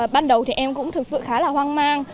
ban đầu thì em cũng thực sự khá là hoang mang